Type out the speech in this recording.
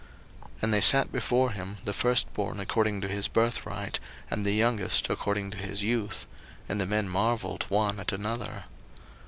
01:043:033 And they sat before him, the firstborn according to his birthright, and the youngest according to his youth: and the men marvelled one at another.